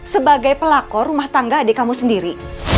sebagai pelakor rumah tangga adik kamu sendiri